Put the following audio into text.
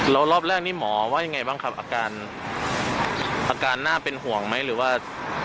แล้วรอบแรกนี่หมอว่ายังไงบ้างครับอาการอาการน่าเป็นห่วงไหมหรือว่า